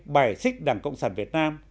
bài xích đảng cộng sản việt nam